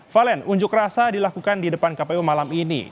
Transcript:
valen unjuk rasa dilakukan di depan kpu malam ini